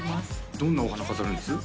どんなお花飾るんです？